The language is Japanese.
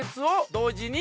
同時に？